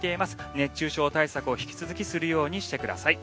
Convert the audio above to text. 熱中症対策を引き続きするようにしてください。